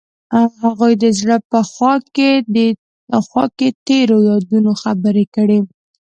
هغوی د زړه په خوا کې تیرو یادونو خبرې کړې.